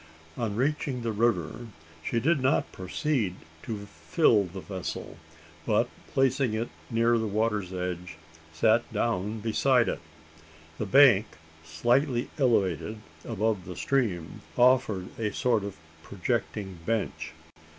On reaching the river, she did not proceed to fill the vessel; but, placing it near the water's edge, sat down beside it. The bank, slightly elevated above the stream, offered a sort of projecting bench.